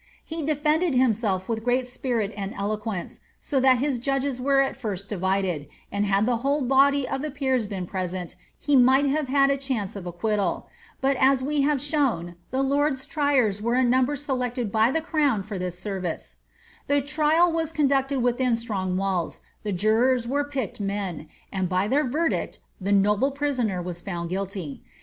* He defended himself with great spirit and eloquence, so that his judges were at first divided,' and liad the whole body of the peers been present, he might have had a chance of acquittal ; but as we have shown, tlie lords triers were a number selected by the crown for this service The trial was conducted within strong walls, the jurors were picked men, and by their verdict the noble prisoner was found guilty.